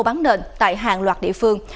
bán nền tại hàng loạt địa phương